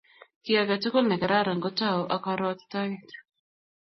Kit age tugul ne kararan ko tou ak karuotitoet